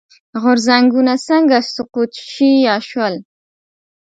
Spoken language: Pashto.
غورځنګونه څنګه سقوط شي یا شول.